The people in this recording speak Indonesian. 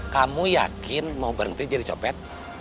kamu yakin mau berhenti jadi copet